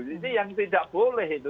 ini yang tidak boleh itu